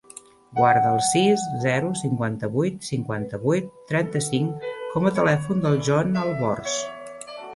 Guarda el sis, zero, cinquanta-vuit, cinquanta-vuit, trenta-cinc com a telèfon del Jon Albors.